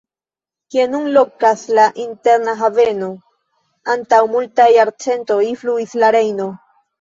Kie nun lokas la Interna Haveno, antaŭ multaj jarcentoj fluis la Rejno.